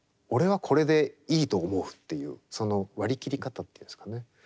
俺はこれでいいと思うっていうその割り切り方というんですかね